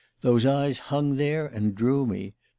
Those eyes hung there and drew me.